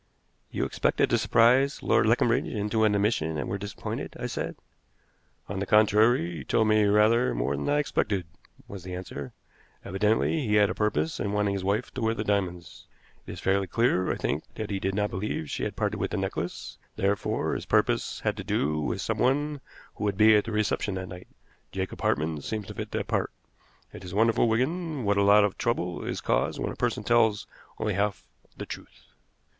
"You expected to surprise Lord Leconbridge into an admission and were disappointed?" I said. "On the contrary, he told me rather more than I expected," was the answer. "Evidently he had a purpose in wanting his wife to wear the diamonds. It is fairly clear, I think, that he did not believe she had parted with the necklace, therefore his purpose had to do with some one who would be at the reception that night. Jacob Hartmann seems to fit that part. It is wonderful, Wigan, what a lot of trouble is caused when a person tells only half the truth."